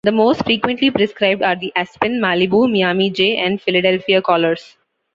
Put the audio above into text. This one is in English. The most frequently prescribed are the Aspen, Malibu, Miami J, and Philadelphia collars.